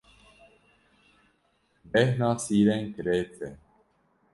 Bêhna sîrên kirêt e.